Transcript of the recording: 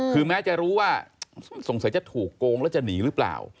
คือแม้จะรู้ว่าสงสัยจะถูกโกงแล้วจะหนีหรือเปล่า